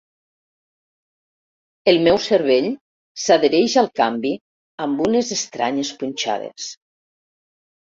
El meu cervell s'adhereix al canvi amb unes estranyes punxades.